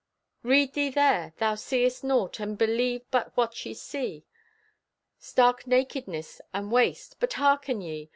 Read thee there! Thou seest naught, And believe but what ye see! Stark nakedness and waste—but hearken ye!